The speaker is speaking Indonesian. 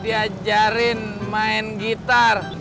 diajarin main gitar